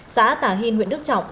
xã tà hìn huyện đức trọng